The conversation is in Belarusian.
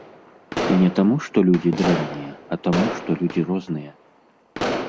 І не таму, што людзі дрэнныя, а таму, што людзі розныя.